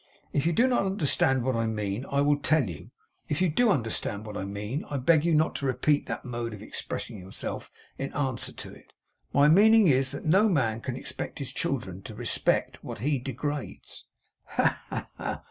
'If you do not understand what I mean, I will tell you. If you do understand what I mean, I beg you not to repeat that mode of expressing yourself in answer to it. My meaning is, that no man can expect his children to respect what he degrades.' 'Ha, ha, ha!